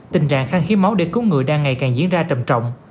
tình trạng khăn hiếm máu để cứu người đang ngày càng diễn ra trầm trọng